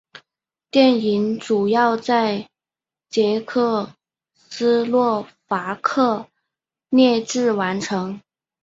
电影主要在捷克斯洛伐克摄制完成。